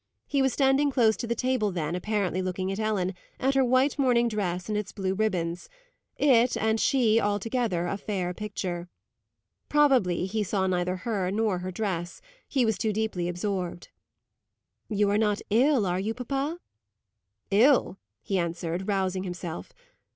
He was standing close to the table then, apparently looking at Ellen, at her white morning dress and its blue ribbons: it, and she altogether, a fair picture. Probably he saw neither her nor her dress he was too deeply absorbed. "You are not ill, are you, papa?" "Ill!" he answered, rousing himself.